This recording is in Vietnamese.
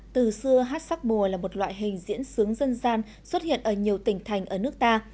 từ xưa hát sắc mùa là một loại hình diễn sướng dân gian xuất hiện ở nhiều tỉnh thành ở nước ta